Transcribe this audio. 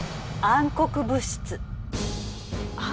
暗黒物質！